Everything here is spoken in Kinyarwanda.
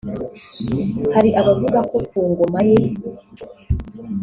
Hari abavuga ko ku ngoma ye